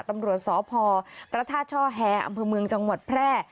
ตำรวจสพพระธาตุช่อแฮอำเภอเมืองจังหวัดแพร่